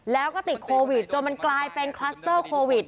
แล้วก็ติดโควิดจนมันกลายเป็นคลัสเตอร์โควิด